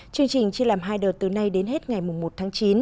chương trình chia làm hai đợt từ nay đến hết ngày một tháng chín